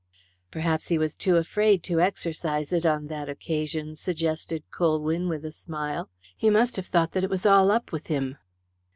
"Perhaps he was too afraid to exercise it on that occasion," suggested Colwyn, with a smile. "He must have thought that it was all up with him."